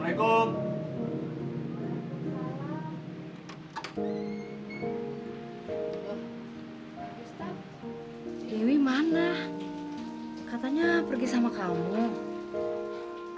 sek poneran ke tuning sus